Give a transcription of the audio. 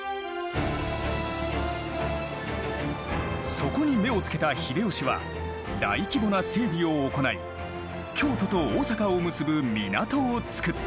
そこに目を付けた秀吉は大規模な整備を行い京都と大坂を結ぶ港を造った。